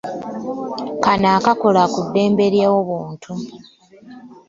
Kano akakola ku ddembe ly'obuntu.